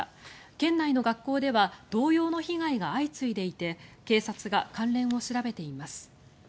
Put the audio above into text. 県内の学校では同様の被害が相次いでいて警察が関連を調べています。